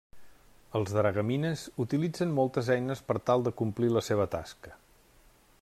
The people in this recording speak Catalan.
Els dragamines utilitzen moltes eines per tal de complir la seva tasca.